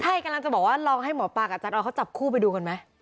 ใช่กำลังจะบอกว่าลองให้หมอปลากับอาจารย์ออสเขาจับคู่ไปดูกันไหม